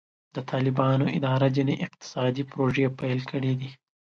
د طالبانو اداره ځینې اقتصادي پروژې پیل کړې دي.